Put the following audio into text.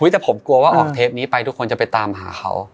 แต่ผมกลัวว่าออกเทปนี้ไปทุกคนจะไปตามหาเขา